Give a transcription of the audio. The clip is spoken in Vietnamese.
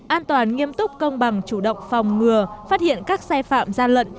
an toàn nghiêm túc công bằng chủ động phòng ngừa phát hiện các sai phạm gian lận